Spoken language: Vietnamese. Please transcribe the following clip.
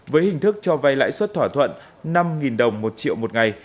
với hình thức cho vay lãi suất thỏa thuận năm đồng một triệu một ngày